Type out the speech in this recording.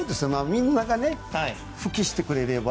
みんなが復帰してくれれば。